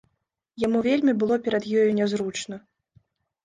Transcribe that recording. Яму вельмі было перад ёю нязручна.